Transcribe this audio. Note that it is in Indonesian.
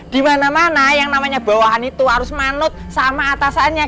di mana mana yang namanya bawahan itu harus manut sama atasannya